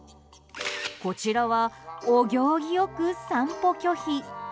こちらは、お行儀よく散歩拒否。